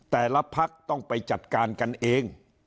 แต่ละพักต้องไปจัดการกันเอง